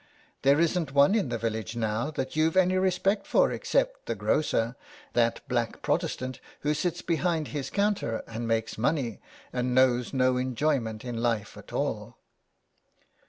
There isn't one in the village now that you've any respect for except the grocer, that black Protestant, who sits behind his counter and makes money, and knows no enjoyment in life at all."